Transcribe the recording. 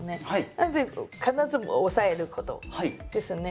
なので必ず押さえることですね。